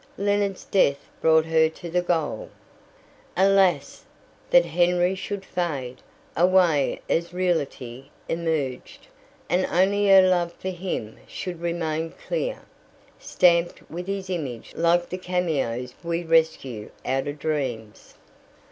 Leonard's death brought her to the goal. Alas! that Henry should fade, away as reality emerged, and only her love for him should remain clear, stamped with his image like the cameos we rescue out of dreams.